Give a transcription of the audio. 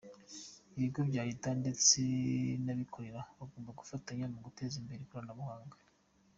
Ibigo bya Leta ndetse n’abikorera bagomba gufatanya mu guteza imbere ikoranabuhanga.